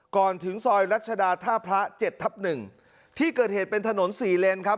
ก่อนถึงซอยรัชดาท่าพระ๗ทับ๑ที่เกิดเหตุเป็นถนน๔เลนครับ